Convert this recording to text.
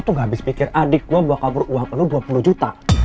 kau tuh gak habis pikir adik lu bakal beruang penuh dua puluh juta